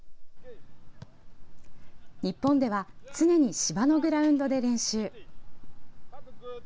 日本では常に、芝のグラウンドで練習。